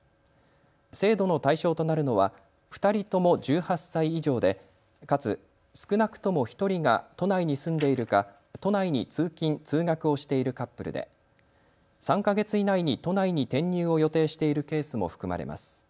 制度の対象となるのは２人とも１８歳以上で、かつ少なくとも１人が都内に住んでいるか都内に通勤、通学をしているカップルで３か月以内に都内に転入を予定しているケースも含まれます。